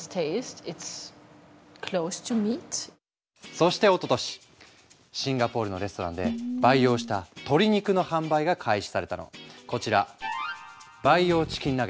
そしておととしシンガポールのレストランで培養した鶏肉の販売が開始されたの。